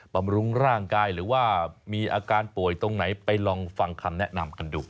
บำรุงร่างกายหรือว่ามีอาการป่วยตรงไหนไปลองฟังคำแนะนำกันดู